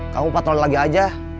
kamu patroli lagi aja